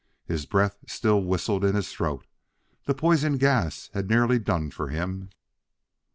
His breath still whistled in his throat; the poison gas had nearly done for him.